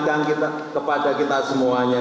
saya ingin mengingatkan kepada kita semuanya